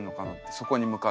そこに向かって。